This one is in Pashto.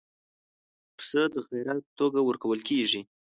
پسه د خیرات په توګه ورکول کېږي.